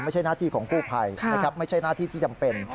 ไม่ใช่หน้าที่ของกู้ภัยนะครับไม่ใช่หน้าที่ที่จำเป็น